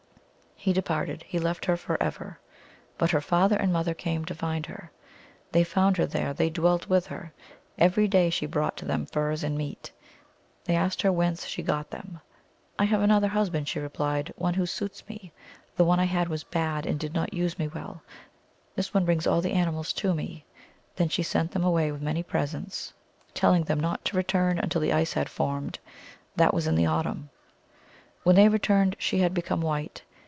He departed ; he left her forever. But her father and mother came to find her. They found her there ; they dwelt with her. Every day she brought to them furs and meat. They asked her whence she got them. " I have another husband," she replied ;" one who suits me. The one I had was bad, and did not use me well. This one brings all the animals to me." Then she sent them away with many presents, 1 Nskmahn l : coins of all sizes hammered out by the Indians and made into pin brooches. 280 THE ALGONQUIN LEGENDS. telling them not to return until the ice had formed ; that was in the autumn. When they returned she had become white.